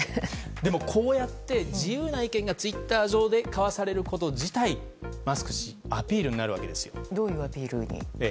でも、こうやって自由な意見がツイッター上で交わされること自体マスク氏アピールになるわけです。